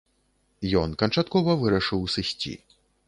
Ён канчаткова вырашыў сысці.